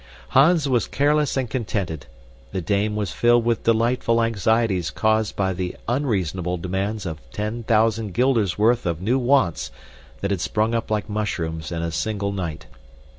Hans was careless and contented; the dame was filled with delightful anxieties caused by the unreasonable demands of ten thousand guilders' worth of new wants that had sprung up like mushrooms in a single night.